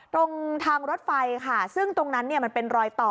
ตรงทางรถไฟค่ะซึ่งตรงนั้นเนี่ยมันเป็นรอยต่อ